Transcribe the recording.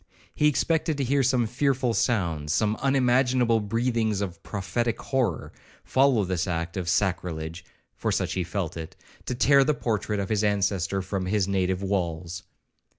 He expected to hear some fearful sounds, some unimaginable breathings of prophetic horror, follow this act of sacrilege, for such he felt it, to tear the portrait of his ancestor from his native walls.